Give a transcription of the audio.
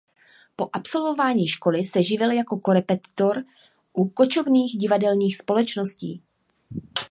Po absolvování školy se živil jako korepetitor u kočovných divadelních společností.